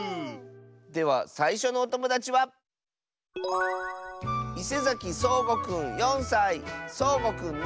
ではさいしょのおともだちはそうごくんの。